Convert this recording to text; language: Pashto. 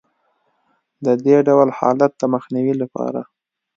د دې ډول حالت د مخنیوي لپاره